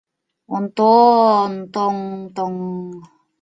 Онтон-тоҥ-тоҥ!